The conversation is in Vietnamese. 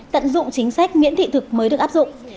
tận dụng chính sách miễn thị thực mới được áp dụng